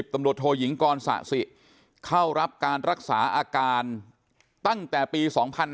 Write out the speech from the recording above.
ตำรวจโทยิงกรสะสิเข้ารับการรักษาอาการตั้งแต่ปี๒๕๕๙